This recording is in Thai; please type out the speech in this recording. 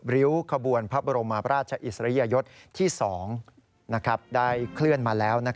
ริ้วขบวนพระบรมราชอิสริยยศที่๒ได้เคลื่อนมาแล้ว